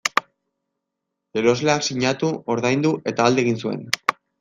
Erosleak sinatu, ordaindu eta alde egin zuen.